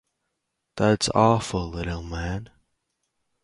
That awful little man!